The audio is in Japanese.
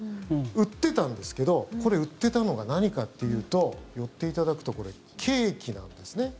売ってたんですけど、これ売ってたのが何かっていうと寄っていただくとこれ、ケーキなんですね。